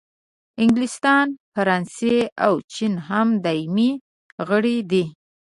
انګلستان، فرانسې او چین هم دایمي غړي دي.